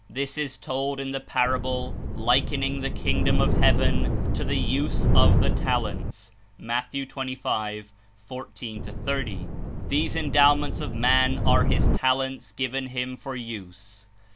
This is told in the parable /"^ likening the Kingdom of heaven to the use of the talents (Matt. 25. 14 30). These en dowments of man are his talents given him for use.